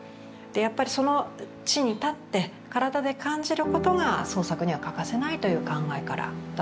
やっぱりその地に立って体で感じることが創作には欠かせないという考えからだったそうです。